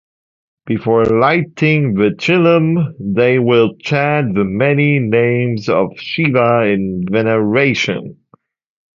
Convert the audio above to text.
Before lighting the chillum they will chant the many names of Shiva in veneration.